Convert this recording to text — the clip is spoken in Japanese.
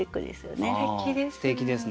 すてきです。